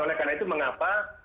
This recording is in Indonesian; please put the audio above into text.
oleh karena itu mengapa